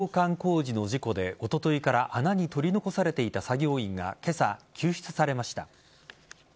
水道管工事の事故でおとといから穴に取り残されていた作業員が今朝、救出されました。